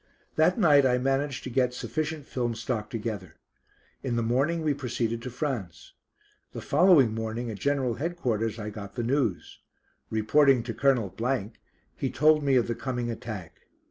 That night I managed to get sufficient film stock together. In the morning we proceeded to France. The following morning at General Headquarters I got the news. Reporting to Colonel , he told me of the coming attack.